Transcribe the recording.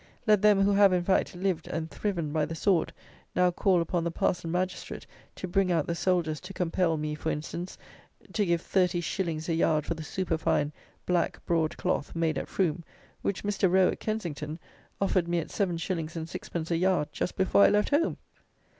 Let them, who have, in fact, lived and thriven by the sword, now call upon the parson magistrate to bring out the soldiers to compel me, for instance, to give thirty shillings a yard for the superfine black broad cloth (made at Frome), which Mr. Roe, at Kensington, offered me at seven shillings and sixpence a yard just before I left home!